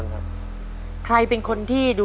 ประจำที่น้องมิคมาต่อชีวิตเป็นคนต่อไปครับ